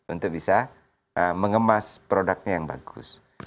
untuk bisa mengemas produknya yang bagus